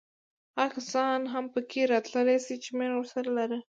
هغه کسان هم پکې راتللی شي چې مینه ورسره لرو.